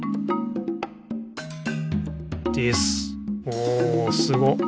おおすご。